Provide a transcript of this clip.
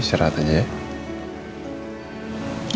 serhat aja ya